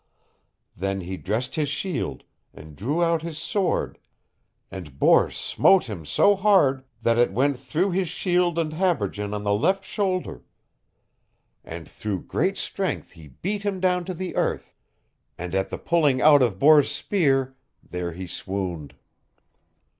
Then he dressed his shield, and drew out his sword, and Bors smote him so hard that it went through his shield and habergeon on the left shoulder. And through great strength he beat him down to the earth, and at the pulling out of Bors' spear there he swooned.